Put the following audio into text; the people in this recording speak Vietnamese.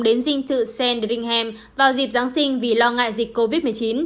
đến dinh thự sandringham vào dịp giáng sinh vì lo ngại dịch covid một mươi chín